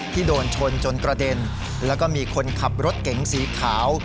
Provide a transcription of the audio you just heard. ที่โดนชนจนกระเด็นแล้วก็มีคนขับรถเก๋งสีขาว